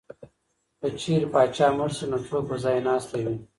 که چېرې پاچا مړ شي نو څوک به ځای ناستی وي؟